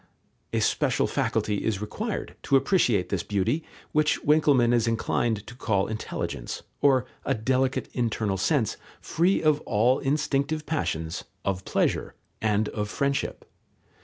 A special faculty is required to appreciate this beauty, which Winckelmann is inclined to call intelligence, or a delicate internal sense, free of all instinctive passions, of pleasure, and of friendship.